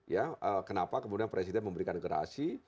ya kenapa kemudian presiden memberikan gerasi